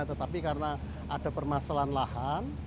tetapi karena ada permasalahan lahan